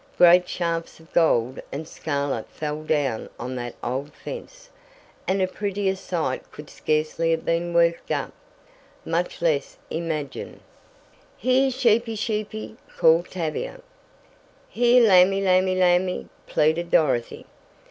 Great shafts of gold and scarlet fell down on that old fence, and a prettier sight could scarcely have been worked up, much less imagined. "Here, sheepy, sheepy!" called Tavia. "Here, lamby, lamby, lamby!" pleaded Dorothy.